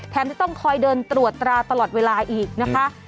จะต้องคอยเดินตรวจตราตลอดเวลาอีกนะคะ